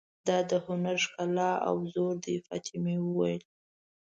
دا د هنر ښکلا او زور دی، فاطمه وویل.